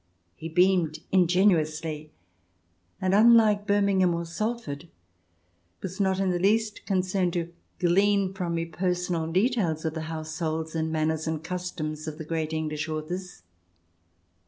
He beamed ingenuously, and, unlike Birmingham or Salford, was not in the least concerned to glean from me personal details of the households and manners and customs of great English authors.